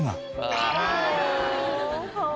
かわいい。